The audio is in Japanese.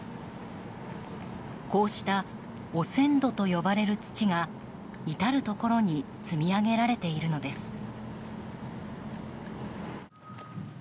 こうした汚染土と呼ばれる土が至るところに積み上げられているのです。